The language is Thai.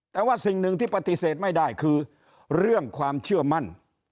แต่ว่าสิ่งหนึ่งที่ปฏิเสธไม่ได้คือเรื่องความเชื่อมั่น